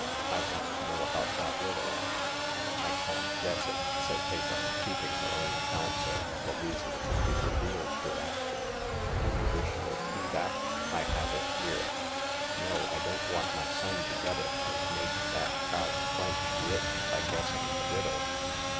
I want to know about that riddle/' "I can't guess it," said Hagar, keeping her own counsel, for reasons to be revealed hereafter. " Do you wish your key back ? I have it here." '* No ; I don't want my son to get it, and make that proud wench rich by guessing the riddle.